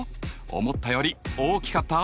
思ったより大きかった？